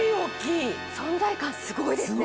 存在感すごいですね！